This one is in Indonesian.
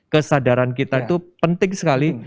kesadaran kita itu penting sekali